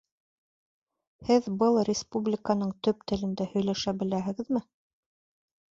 Һеҙ был республиканың төп телендә һөйләшә беләһегеҙме?